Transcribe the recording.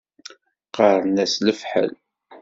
Qqaṛen-as lefḥel.